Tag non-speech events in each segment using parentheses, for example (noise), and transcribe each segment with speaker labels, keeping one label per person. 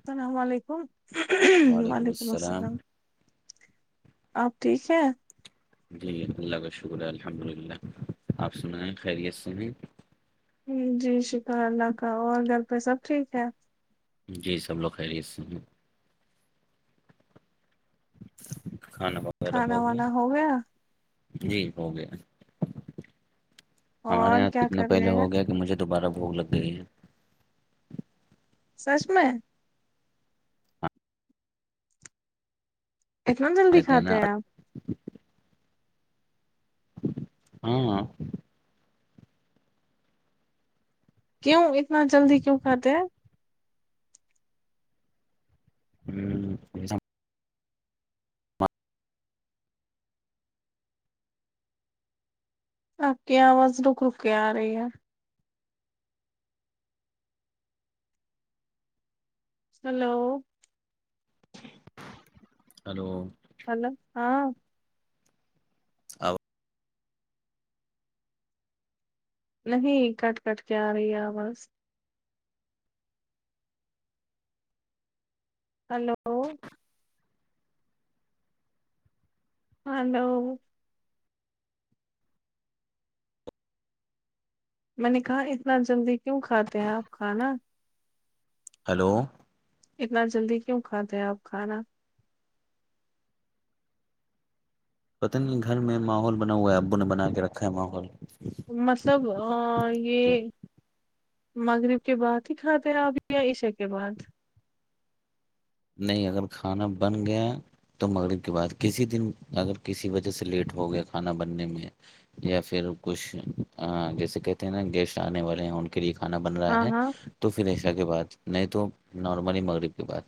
Speaker 1: السلام علیکم وعلیکم السلام آپ ٹھیک ہے
Speaker 2: جی اللہ کا شکر ہے الحمد للہ آپ سنائیں خیریت سے ہیں
Speaker 1: جی شکر اللہ کا اور گھر پہ سب ٹھیک ہے
Speaker 2: جی سب لوگ خیریت سے ہیں کھانا وغیرہ ہو
Speaker 1: کھانا
Speaker 2: گیا
Speaker 1: وانا گیا
Speaker 2: جی ہو گیا ہمارے
Speaker 1: اور
Speaker 2: یہاں سے
Speaker 1: کیا
Speaker 2: اتنا
Speaker 1: کر
Speaker 2: پہلے
Speaker 1: رہے ہیں
Speaker 2: ہو گیا کہ مجھے دوبارہ بھک لگ گئی ہے
Speaker 1: سچ میں اتنا جلدی
Speaker 2: لیتے
Speaker 1: کھاتے
Speaker 2: نا
Speaker 1: ہیں آپ
Speaker 2: ہاں
Speaker 1: کیوں اتنا جلدی کیوں کھاتے ہیں
Speaker 2: ہ
Speaker 1: آکی آواز رک رک کے آرہی ہے ہلو
Speaker 2: ہلو
Speaker 1: ہلو ہاں
Speaker 2: او
Speaker 1: نہیں کٹ کٹ کے آ رہی ہے آواز ہلو ہلو میں نے کہا اتنا جلدی کیوں کھاتے ہیں آپ کھانا
Speaker 2: ہیلو
Speaker 1: اتنا جلدی کیوں کھاتے ہیں آپ کھانا
Speaker 2: پتہ نہیں گھر میں ماحول بنا ہوا ہے ابو نے بنا کے رکھا ہے ماحول
Speaker 1: مطلب
Speaker 2: کہ
Speaker 1: یہ مغرب کے بعد ہی کھاتے ہیں آپ یا عشے کے بعد
Speaker 2: نہیں اگر کھانا بن گیا تو مغرب کے بعد کسی دن اگر کسی وجہ سے لیٹ ہو گیا کھانا بننے میں یا پھر کچھ جیسے کہتے ہیں نا گیسٹ آنے والے ہیں ان کھانا بن رہا
Speaker 1: ہاں
Speaker 2: ہے
Speaker 1: ہاں
Speaker 2: تو پھر ایسا کے بات نہیں تو نارملی مغرب کی بات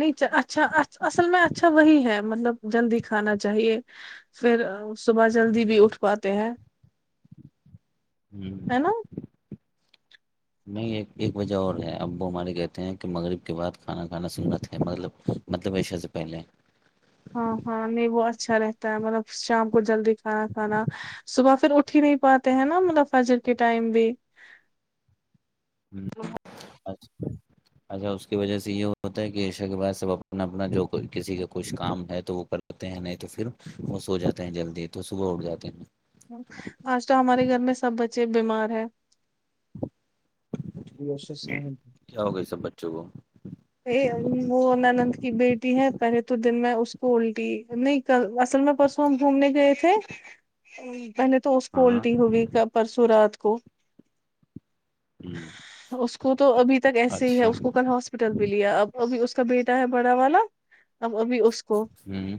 Speaker 1: نچ اچھا اصل میں اچھا وہی ہے مطلب جلدی کھانا چاہیے پھر صبح جلدی بھی اٹھ پاتے ہیں
Speaker 2: ہوں
Speaker 1: ہے نا
Speaker 2: نہیں ایک ایک وجہ اور ہے اب وہ ہمارے کہتے ہیں کہ مغرب کے بعد کھانا کھانا سنت ہے مطلب مطلب ایشے سے پہلے
Speaker 1: ہاں ہاں نہیں وہ اچھا رہتا ہے مطلب شام کو جلدی کھانا کھانا صبح پھر اٹھ اٹ ہی نہیں پاتے ہیں نا منافظر کے ٹائم بھی
Speaker 2: اچھا
Speaker 1: (inaudible)
Speaker 2: اچھا اس کی وجہ سے یہ ہوتا ہے کہ ایشا کے بعد سب اپنا اپنا جو کسی کا کچھ کام ہے تو وہ کر ہوتے ہیں نہیں تو پھر وہ سو جاتے ہیں جلدی تو صبح اٹھ جاتے ہیں
Speaker 1: آج تو ہمارے گھر میں سب بچے بیمار ہے یہیش سرامن
Speaker 2: کیا ہوگا سب بچوں کو
Speaker 1: ا وہ انانند کی بیٹی ہے پہلے تو دن میں اس کو الٹی نہیں تو اصل میں پرسوں ہم گھومنے گئے تھے پہلے تو اس کو
Speaker 2: ہاں
Speaker 1: الٹی ہوگئی پرسوں رات کو
Speaker 2: ہوں
Speaker 1: اس کو تو ابھی تک ایسے ہی ہے
Speaker 2: اچھا
Speaker 1: اس کو کل ہاس ٹل بھی لیا اب ابھی اس کا بیٹا ہے بڑا والا اب ابھی اس کو
Speaker 2: ہوں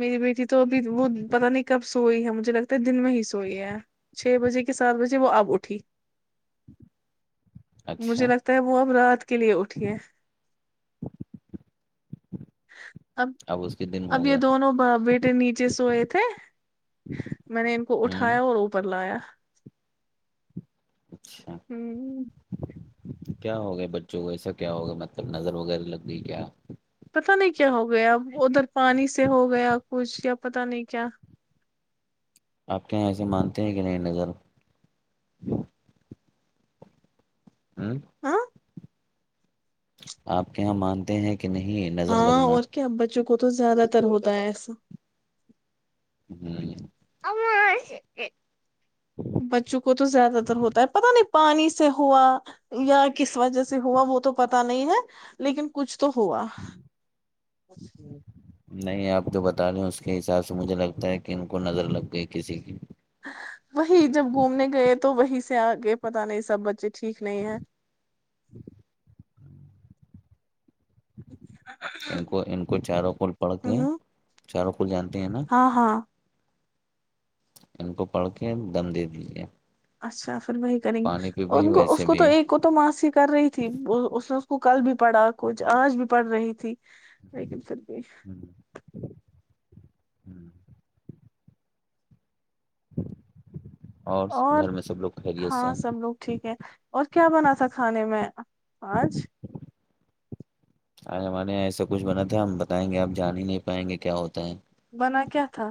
Speaker 1: میری بیٹی تو ابھی وہ پت نہیں کب سوئی ہے مجھے لگتا ہے دن میں ہی سوئی ہے چھ بجے کے سات بجے وہ آپ اٹھی مجھے
Speaker 2: اچھا
Speaker 1: لگتا ہے وہ اب رات کے لیے اٹھی کہ اب
Speaker 2: اس کے دن ہو
Speaker 1: اب یہ
Speaker 2: گیا
Speaker 1: دونوں بیٹ نیچے سوئے تھے میں نے ان کو
Speaker 2: ہوں
Speaker 1: اٹھایا اور اوپر لایا
Speaker 2: اچھا
Speaker 1: (inaudible)
Speaker 2: کیا ہو گیا بچوں کو ایسا کیا ہوگا مطلب نظر وغیرہ لگ گئی کیا
Speaker 1: پتا نہیں کیا ہو گیا ادھر پانی سے ہو گیا کچھ یا پتا نہیں کیا
Speaker 2: آپ کے یہاں ایسے مانتے ہیں کہ نہیں نظر
Speaker 1: ہاں
Speaker 2: (inaudible) آپ کےاں مانتے ہیں کہ نہیں نظر
Speaker 1: ہاں
Speaker 2: لگنا
Speaker 1: اور کیا بچوں کو تو زیادہ تر ہوتا ہے ایسا
Speaker 2: جی
Speaker 1: (inaudible) بچوں کو تو زیادہ تر ہوتا ہے پتا نہیں پانی سے ہوا یا کس و جہ سے ہوا وہ تو پتا نہیں ہے لیکن کچھ تو ہوا اچھا
Speaker 2: نہیں آپ جو بتا رہے اس کے حساب سے مجھے لگتا ہے کہ ان کو نظر لگ گئی کسی کی
Speaker 1: وہی جب گھومنے گئے تو وہی سے آگے پت نہیں سب بچے ٹھیک نہیں ہیں
Speaker 2: ہاں ان کو ان کو چاروں کول پڑھ کے ہیں چاروں کول جانتے ہیں نا
Speaker 1: آ ہا
Speaker 2: ان کو پڑھ کے دم دیجے
Speaker 1: اچھا پھر وہی کریں گی
Speaker 2: بھی
Speaker 1: ان کو اس
Speaker 2: ویسے
Speaker 1: کو تو
Speaker 2: بھی
Speaker 1: ایک اس کو تو ماسی کر رہی تھی اس نے اس کو کل بھی پڑھا کچھ آج بھی پڑھ رہی تھی (inaudible)
Speaker 2: ہوں ہوں (inaudible) اور
Speaker 1: اور
Speaker 2: گھر میں سب لوگ خیریت سے
Speaker 1: ہاں
Speaker 2: ہیں؟
Speaker 1: سب لوگ ٹھیک ہے اور کیا بنا تھا کھانے میں آج (inaudible)
Speaker 2: آج ہمارے یہاں ایسا کچھ بنا تھا ہم بتائیں گے آپ جان ہی نہیں پائیں گے کیا ہوتا ہے
Speaker 1: بنا کیا تھا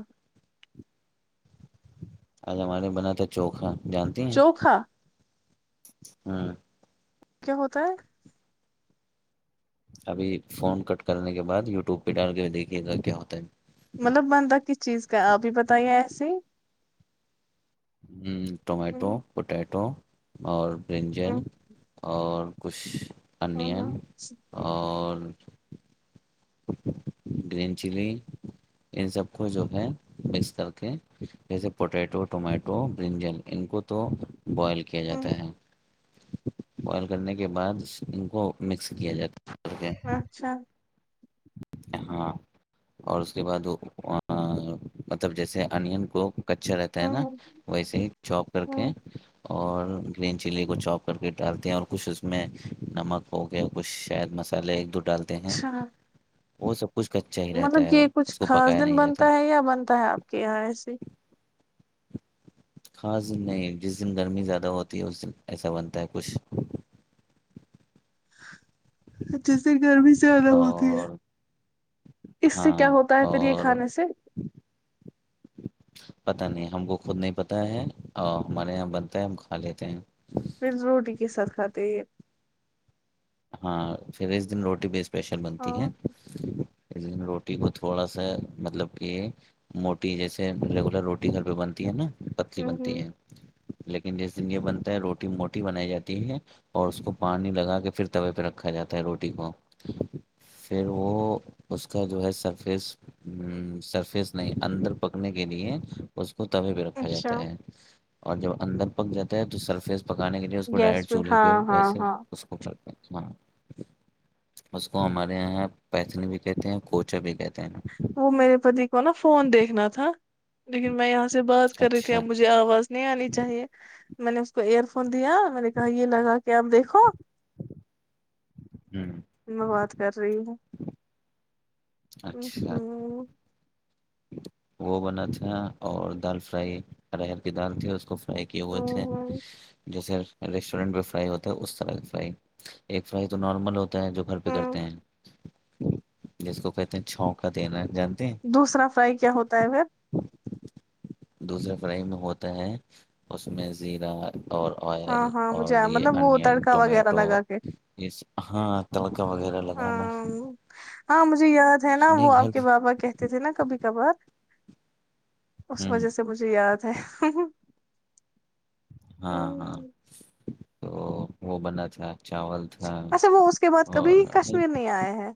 Speaker 2: آج ہمارے بنا تھا چوکھا جانتے ہیں
Speaker 1: چوکھا
Speaker 2: ہوں
Speaker 1: کیا ہوتا ہے
Speaker 2: ابھی فون کٹ کرنے کے بعد یوٹیوب پہ ڈال کے دیکھیے گا کیا ہوتا ہے
Speaker 1: مطلب بنتا کس چیز کا آپ ہی بتائیے ایسے ہی
Speaker 2: ٹومیٹو
Speaker 1: ہوں،
Speaker 2: پوٹیٹو اور برنجل
Speaker 1: ہوں،
Speaker 2: اور کچھ
Speaker 1: ہوں،
Speaker 2: انین
Speaker 1: ہوں،
Speaker 2: اور گرین چلی ان سب کو جو ہے مکس کے جیسے پوٹیٹو ٹومیٹو برنجل ان کو تو بوائل کیا جاتا
Speaker 1: ہوں،
Speaker 2: ہے بوائل کرنے کے بعد ان کو مکس کیا جاتا کر کے
Speaker 1: اچھا
Speaker 2: ہاں اور اس کے بعد مطلب جیسے انین کو کچا رہتا ہے
Speaker 1: ہوں،
Speaker 2: نا
Speaker 1: ہوں،
Speaker 2: ویسے ہی چاپ کر کے
Speaker 1: ہوں،
Speaker 2: اور گرین چلی کو چوپ کر کے ڈالتے ہیں اور کچھ اس میں نمک ہوگ کچھ شاید مسالے ایک دو ڈالتے ہیں
Speaker 1: اچھا
Speaker 2: وہ سب کچھ کچا ہی رہتا
Speaker 1: مطلب
Speaker 2: ہے
Speaker 1: یہ
Speaker 2: وہ
Speaker 1: کچھ
Speaker 2: اس کو
Speaker 1: خاص
Speaker 2: پکایا
Speaker 1: دن
Speaker 2: نہیں جاتا
Speaker 1: بنتا ہے یا بنتا ہے آپ کے یہاں ایسے
Speaker 2: خاص دن نہیں جس دن گرمی زیادہ ہوتی ہے اس دن ایسا بنتا ہے کچھ
Speaker 1: جس دن گرمی زیادہ ہوتی ہے
Speaker 2: اور
Speaker 1: اس سے کیا
Speaker 2: ہاں
Speaker 1: ہوتا ہے پھر یہ
Speaker 2: اور
Speaker 1: کھانے سے (inaudible)
Speaker 2: پتہ نہیں ہم کو خود نہیں پتا ہے ہمارے یہاں بنتا ہے ہم کھا لیتے ہیں
Speaker 1: پھر روٹی کے ساتھ کھاتے ہیں
Speaker 2: ہاں پھر اس دن روٹی بھی اسپیشل
Speaker 1: ہاں
Speaker 2: بنتی ہے اس دن روٹی کو تھوڑا سا مطلب کہ موٹی جیسے ریگولر روٹی گھر پہ بنتی ہے نا پتلی
Speaker 1: ہوں،
Speaker 2: بنتی
Speaker 1: ہوں،
Speaker 2: ہے لیکن جس دن یہ بنتا ہے روٹی موٹی بنائی جاتی ہے اور اس کو پانی لگا کے پھر توے پہ رکھا جاتا ہے روٹی کو پھر وہ اس کا جو ہے سرفیس سرفیس نہیں اندر پکنے کے لیے اس کو توے پہ رکھا جاتا
Speaker 1: اچھا
Speaker 2: ہے اور جب اندر پک جاتا ہے تو سرفیس پکانے کے لیے اس کو
Speaker 1: گیس
Speaker 2: ڈائرٹ چولہے
Speaker 1: ہاں
Speaker 2: پہ
Speaker 1: ہاں
Speaker 2: ویسے
Speaker 1: ہاں
Speaker 2: اس کو کرتے ہیں ہاں اس کو ہمارے یہاں پیتنی بھی کہتے ہیں کوچا بھی کہتے ہیں
Speaker 1: وہ میرے پتی کو نا فون دیکھنا تھا لیکن میں یہاں سے بات کر رہی تھی
Speaker 2: اچھا
Speaker 1: اب مجھے آواز نہیں آنی چاہیے میں نے اس کو ایئر فون دیا میں نے کہا یہ لگا کہ آپ دیکھو
Speaker 2: جی
Speaker 1: میں بات کر رہی ہوں
Speaker 2: اچھا
Speaker 1: ہوں
Speaker 2: وہ بنا تھا اور دال فرائی ہرر کی دال تھی اس کو فرائی کیے ہوئے تھے
Speaker 1: ہوں
Speaker 2: جیسے ریسٹورینٹ پہ فرائی ہوتا ہے اس طرح کی فرائی ایک فرائی تو نارمل ہوتا ہے جو گھر پہ کرتے
Speaker 1: ہوں
Speaker 2: ہیں
Speaker 1: (inaudible)
Speaker 2: جس کو کہتے ہیں چھو کا دینا جانتے ہیں
Speaker 1: دوسرا فرائی کیا ہوتا ہے مھر
Speaker 2: دوسرے فریم ہوتا ہے اس میں زیرہ اور آئل
Speaker 1: ہاں ہاں
Speaker 2: اور
Speaker 1: مجھے
Speaker 2: یہ
Speaker 1: مطلب وہ
Speaker 2: انین
Speaker 1: تڑکا وغیرہ
Speaker 2: ٹومیٹو
Speaker 1: لگا کے
Speaker 2: ہاں تڑکا وغیرہ لگانا
Speaker 1: ہاں ہاں مجھے یاد ہے نا
Speaker 2: نہیں
Speaker 1: وہ
Speaker 2: گھر
Speaker 1: آپ کے
Speaker 2: پہ
Speaker 1: بابا کہتے تھے نا کبھی کبھار اس
Speaker 2: ہوں
Speaker 1: وجہ سے مجھے یاد ہے
Speaker 2: ہاں ہاں تو وہ بنا تھا چاول اچھا
Speaker 1: وہ اس کے بعد
Speaker 2: اور
Speaker 1: کبھی کشمیر نہیں آئے ہیں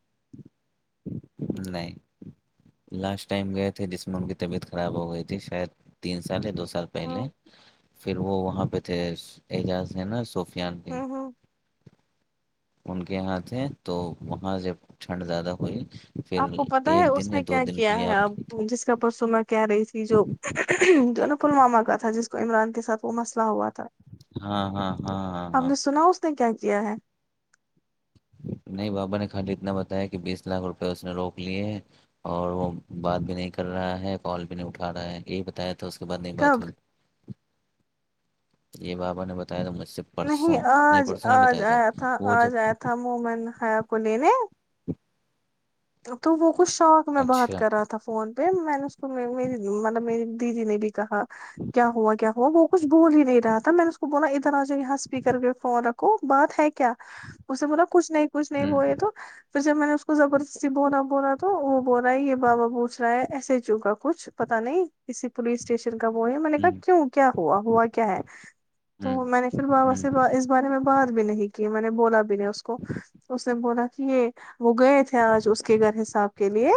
Speaker 2: نہیں لاسٹ ٹائم گئے تھے جس میں ان کی طبیعت خراب ہو گئی تھی شاید تین سال دو سال سال پہلے
Speaker 1: ہ
Speaker 2: پھر وہ وہاں پہ تھے اعجاز ہیں نا س
Speaker 1: او ہو
Speaker 2: ان کے ہاتھ ہے تو وہاں جب ٹھنڈ زیادہ ہوئی پھر
Speaker 1: آپ کو پتا ہے
Speaker 2: ایک
Speaker 1: اس
Speaker 2: دن یا
Speaker 1: نے
Speaker 2: دو
Speaker 1: کیا
Speaker 2: دن کے
Speaker 1: کیا
Speaker 2: لیے
Speaker 1: ہے
Speaker 2: آپ
Speaker 1: اب
Speaker 2: کے
Speaker 1: جس کا پرسوں میں کہ رہی تھی جو جو ہے نا پلوامہ کا تھا جس کو عمران کے ساتھ وہ مسئلہ ہوا تھا
Speaker 2: ہاں ہاں ہاں ہاں
Speaker 1: آپ
Speaker 2: ہاں
Speaker 1: نے سنا اس کیا ہے
Speaker 2: نہیں بابا نے خالی اتنا بتایا کہ بیس لاکھ روپئے اس نے روک لیے ہے اور وہ بات بھی نہیں کر رہا ہے کال بھی نہیں اٹھا رہا ہے یہی بتایا تو اس کے بعد نہیں بات
Speaker 1: کب
Speaker 2: ہوئی یہ بابا نے بتایا تھا مجھ سے
Speaker 1: نہیں
Speaker 2: پرسوں نہیں
Speaker 1: آج
Speaker 2: پرسوں نہیں
Speaker 1: آج
Speaker 2: بتایا
Speaker 1: آیا تھا
Speaker 2: وہ
Speaker 1: آج
Speaker 2: جب
Speaker 1: آیا تھا مومن حیا کو لینے تو وہ کچھ شوق میں بات
Speaker 2: اچھا
Speaker 1: کر رہا تھا فون پہ میں نے اس کو م مطلب میری دیدی نے بھی کہا کیا ہوا کیا ہوا وہ کچ بول ہی نہیں رہا تھا میں نے اس کو بولا ادھر آ جا یہاں اسپیکر پہ فون رکھو بات ہے کہ کیا اسے بولا کچھ نہیں کچھ نہیں
Speaker 2: ہوں
Speaker 1: وہ یہ تو پھر جب میں نے اس کوب سے بو رہا بو رہا تو وہ بول رہا ہے یہ بابا پوچھ رہا ہے ایسے ہی چکا کچھ پتا نہیں کسی پولیس اسٹیشن کا وہ ہے میں نے کہا
Speaker 2: ہوں
Speaker 1: کیوں کیا ہوا ہوا کیا ہے تو
Speaker 2: ہوں
Speaker 1: میں نے پھر بابا
Speaker 2: ہوں
Speaker 1: سے اس بارے میں بات بھی نہیں کی میں نے بولا بھی نہیں اس کو اس نے بولا کہ یہ وہ گئے تھے آج اس کے گھر حساب کے لیے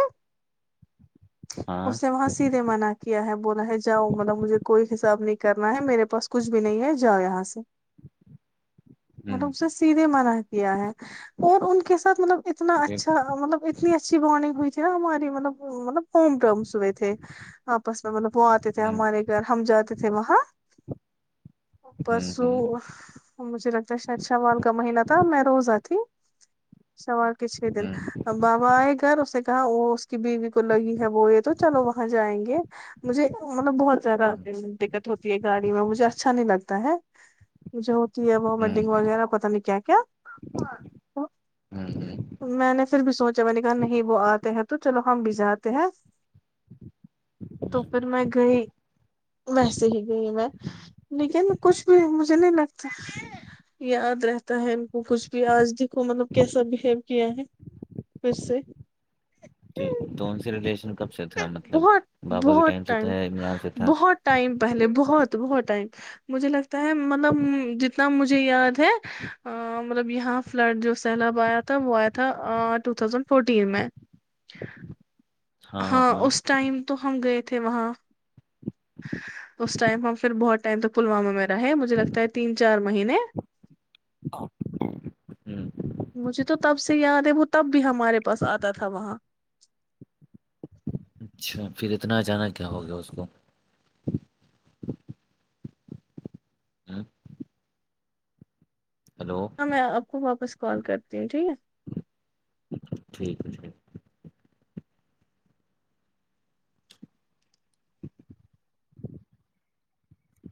Speaker 2: ہاں
Speaker 1: اسے وہاں سیدھے منات کے کیا ہے بولا ہے جاؤ مطلب مجھے کوئی حساب نہیں کرنا ہے میرے پاس کچھ بھی نہیں ہے جاؤ یہاں سے مطلب
Speaker 2: ہوں
Speaker 1: اس نے سیدھے منع کیا ہے اور ان کے ساتھ مطلب اتنا
Speaker 2: پھر
Speaker 1: اچھا مطلب اتنی اچھی بانڈنگ ہوئیھی نا ہماری مطلب مطلب ہوم مس ہوئے تھے آپس میں مطلب وہ آتے تھے
Speaker 2: ہوں
Speaker 1: ہمارے اگر ہم جاتے تھے وہاں
Speaker 2: ہوں ہوں ہوں
Speaker 1: پرسوں مجھے لگتا ہے شاید شمال کا مہینہ تھا میں روزہ ت شمال کے چھ دن
Speaker 2: ہوں
Speaker 1: بابا آئے گھر اس نے کہا وہ اس کی بیوی کو لگی ہے وہ یہ تو چلو وہاں جائیں گے مجھے مطلب بہت زیادہ دقت ہوتی ہے گاڑی میں مجھے اچھا نہیں لگتا ہے جو ہوتی ہے
Speaker 2: ہوں
Speaker 1: ومیٹنگ وغیرہ پتا نہیں کیا کیا
Speaker 2: ہوں ہوں
Speaker 1: میں نے پھر بھی سوچا میں نے کہا نہیں وہ آتے ہیں تو چلو ہم بھی جاتے ہیں تو پھر میں گئی ویسے ہی گئی میں
Speaker 2: ہوں
Speaker 1: لیکن کچھ بھی مجھے نہیں لگتا یاد رہتا ہے ان کو کچھ بھی آج دکھو مطلب کیسا بہیو کیا ہے پھر سےے
Speaker 2: تو ان سے ریلیشن کب سے تھا مطلب
Speaker 1: بہت
Speaker 2: بابا کے ٹائم
Speaker 1: بہت
Speaker 2: سے تھا یا عمران سے تھا
Speaker 1: بہت ٹائم پہلے بہت بہت ٹائم مجھے لگتا ہے مطلب جتنا مجھے یاد ہے مطلب یہاں فلڈ جو سیلاب آیا تھا وہ آیا تھا ٹو تھاؤزینڈ فورٹین میں ہاں اس ٹائم تو ہم گئے تھے وہاں اس ٹائم ہم پھر بہت ٹائم تک پلوامہ میں رہے مجھے لگتا ہے تین چار مہینے
Speaker 2: ہوں
Speaker 1: مجھے تو تب سے یاد ہے وہ تب بھی ہمارے پاس آتا تھا وہاں
Speaker 2: اچھا پھر اتنا ا جانا کیا ہو گیا اس کو ہی ہیلو
Speaker 1: ہاں میں آپ کو واپس کال کرتی ہوں ٹھیک ہے
Speaker 2: ٹھیک ہے ٹھیک ہے (inaudible)